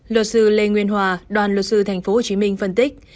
luật sư lê nguyên hòa đoàn luật sư tp hcm phân tích